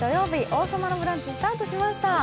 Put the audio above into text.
「王様のブランチ」スタートしました。